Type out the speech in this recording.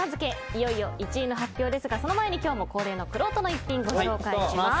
いよいよ１位の発表ですがその前に今日も恒例のくろうとの逸品ご紹介します。